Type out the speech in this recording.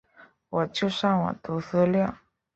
我就上网读资料